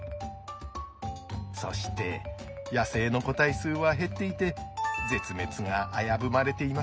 そして野生の個体数は減っていて絶滅が危ぶまれています。